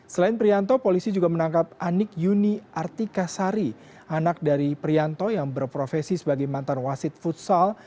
selain prianto polisi juga menangkap anik yuni artika sari anak dari prianto yang berprofesi sebagai mantan wasit futsal